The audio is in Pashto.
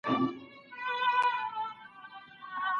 پلار له سترګو ځان پټوي.